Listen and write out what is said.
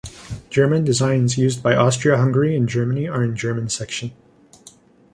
German designs used by Austria-Hungary and Germany are in German section.